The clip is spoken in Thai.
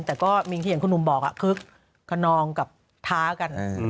แต่ก็มีอย่างที่คุณอุ้มบอกคือคนนองกับท้ากัน